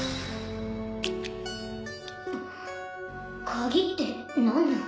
鍵って何の？